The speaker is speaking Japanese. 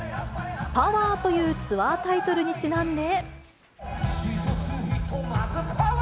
パワーというツアータイトルにちなんで。